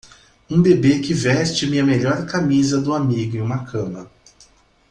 Um bebê que veste minha melhor camisa do amigo em uma cama.